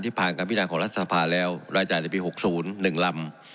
ที่ผ่านกันพินาคของรัฐพรรดินะภาคแล้วรายจ่ายที่วีหกศูนย์หนึ่งลำ